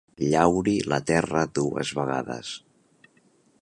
Llauri la terra dues vegades.